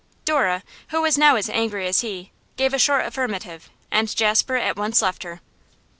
Dora, who was now as angry as he, gave a short affirmative, and Jasper at once left her.